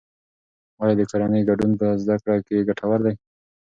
آیا د کورنۍ ګډون په زده کړه کې ګټور دی؟